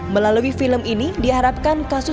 melalui film ini diharapkan kasus kekerasan terakhir ini